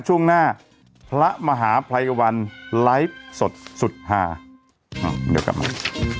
ช่วงหน้าพระมหาภัยวันไลฟ์สดสุดหาอ้าวเดี๋ยวกลับมา